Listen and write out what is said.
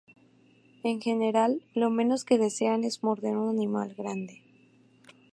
En general, lo menos que desean es morder a un animal grande.